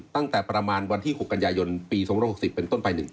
ตั้งแต่ประมาณวันที่๖กันยายนปี๒๖๐เป็นต้นไป๑๒